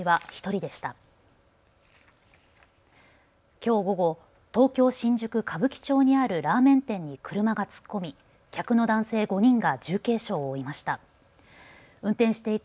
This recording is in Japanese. きょう午後、東京新宿歌舞伎町にあるラーメン店に車が突っ込み客の男性５人が重軽傷を負いました。